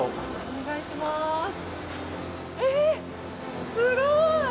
えー、すごい！